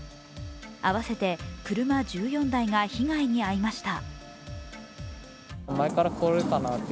合わせて車１４台が被害に遭いました。